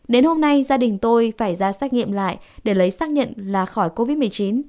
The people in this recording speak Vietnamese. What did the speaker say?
đến hôm nay gia đình tôi phải ra xét nghiệm lại để lấy xác nhận là khỏi covid một mươi chín